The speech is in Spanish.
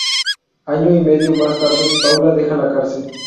Año y medio más tarde, Paula deja la cárcel.